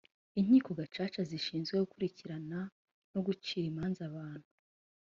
inkiko gacaca zishinzwe gukurikirana no gucira imanza abantu